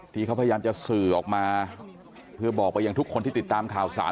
ที่เขาพยายามจะสื่อออกมาเพื่อบอกไปยังทุกคนที่ติดตามข่าวสาร